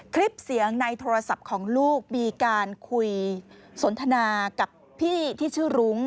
คลิปเสียงในโทรศัพท์ของลูกมีการคุยสนทนากับพี่ที่ชื่อรุ้ง